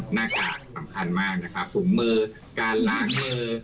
หน้ากากสำคัญมากนะครับถุงมือการล้างมือ